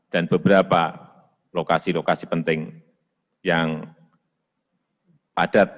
dan beberapa lokasi lokasi penting yang padat